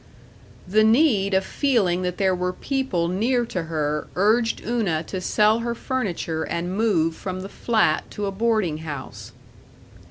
§ 2 The need of feeling that there were people near to her urged Una to sell her furniture and move from the flat to a boarding house.